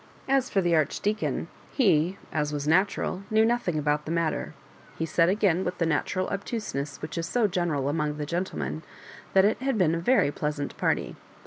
As for the Archdeacon, he, as was natu ral, knew nothing about the matter. He said again, with the natural obtuseness which is so general among the gentlemen, that it had been a very pleasant party.